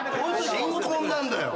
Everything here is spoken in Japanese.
新婚なんだよ。